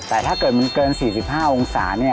แต่ถ้าเกิดมันเกิน๔๕องศา